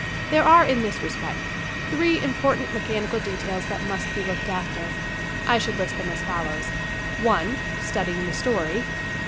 There are in this respect three important mechanical details that must be looked after. I should list them as follows :( 1 ) Studying the story.